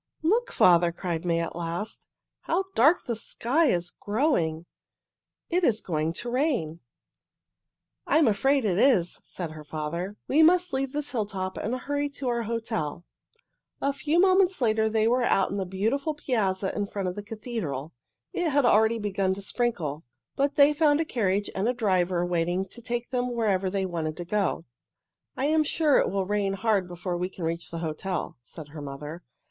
"Look, father!" cried May at last. "How dark the sky is growing! It is going to rain." "I am afraid it is," said her father. "We must leave this hilltop and hurry to our hotel." A few moments later they were out on the beautiful piazza in front of the cathedral. It had already begun to sprinkle, but they found a carriage and driver waiting to take them wherever they wanted to go. "I am sure it will rain hard before we can reach the hotel," said their mother.